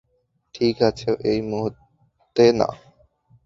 ঠিক আছে, এই মুহুর্তে না।